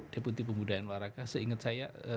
deputi pemudahan waraga seingat saya